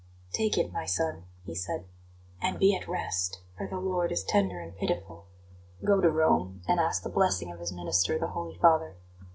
"Take it, my son," he said, "and be at rest, for the Lord is tender and pitiful. Go to Rome, and ask the blessing of His minister, the Holy Father.